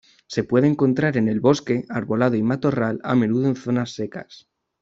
Se puede encontrar en el bosque, arbolado y matorral, a menudo en zonas secas.